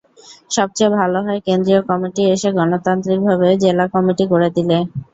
সবচেয়ে ভালো হয়, কেন্দ্রীয় কমিটি এসে গণতান্ত্রিকভাবে জেলা কমিটি করে দিলে।